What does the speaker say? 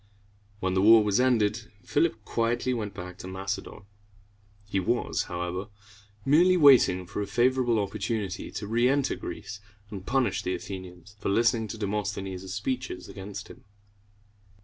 When the war was ended, Philip quietly went back to Macedon. He was, however, merely waiting for a favorable opportunity to reënter Greece, and punish the Athenians for listening to Demosthenes' speeches against him.